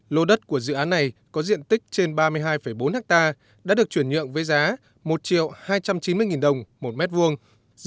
lô đất của dự án này có diện tích trên ba mươi hai bốn hectare đã được chuyển nhượng với giá một triệu hai trăm chín mươi nghìn đồng một mét vuông